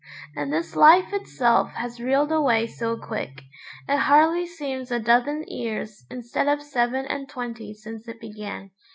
And this life itself has reeled away so quick, it hardly seems a dozen years instead of seven and twenty since it began.